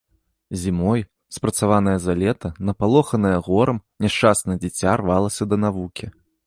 Зімой, спрацаванае за лета, напалоханае горам, няшчаснае дзіця рвалася да навукі.